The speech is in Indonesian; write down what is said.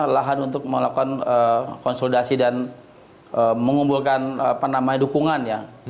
lahan untuk melakukan konsultasi dan mengumpulkan apa namanya dukungan ya